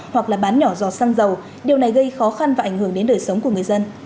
hoặc là bán nhỏ dò xăng dầu điều này gây khó khăn và ảnh hưởng đến đời sống của người dân